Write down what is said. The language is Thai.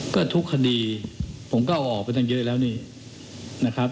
ก็ทุกคดีผมก็เอาออกไปตั้งเยอะแล้วนี่นะครับ